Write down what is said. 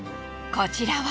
こちらは。